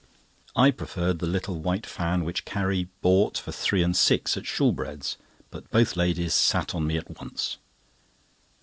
I preferred the little white fan which Carrie bought for three and six at Shoolbred's, but both ladies sat on me at once.